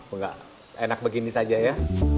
enggak enak begini saja ya